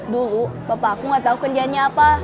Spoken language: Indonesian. dulu bapak aku gak tau kerjaannya apa